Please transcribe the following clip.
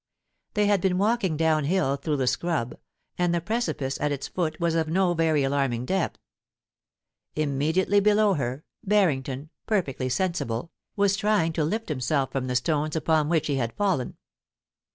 They had been walking down hill through the scrub, and the precipice at its foot was of no very alarming depth. Imme diately below her, Barrington, perfectly sensible, was trying to lift himself from the stones upon which he had fallen.